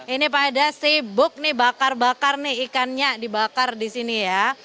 ini pada sibuk nih bakar bakar nih ikannya dibakar di sini ya